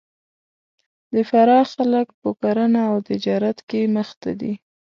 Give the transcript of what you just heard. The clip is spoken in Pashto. د فراه خلک په کرهنه او تجارت کې مخ ته دي